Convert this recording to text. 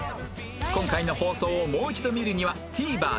今回の放送をもう一度見るには ＴＶｅｒ で